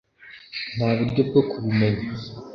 nta buryo bwo kubimenya